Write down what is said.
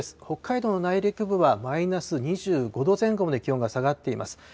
北海道の内陸部はマイナス２５度前後まで気温が下がっています。